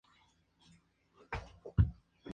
Punta Arenas.